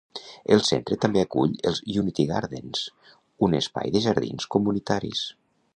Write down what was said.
El centre també acull els Unity Gardens, un espai de jardins comunitaris.